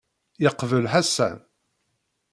Yeqbel Ḥasan.